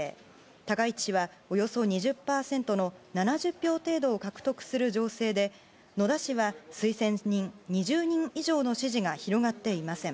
高市氏は、およそ２０％の７０票程度を獲得する情勢で野田氏は推薦人２０人以上の支持が広がっていません。